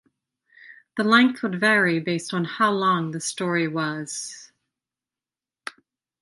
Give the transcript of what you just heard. The length would vary based on how long the story was.